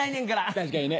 確かにね。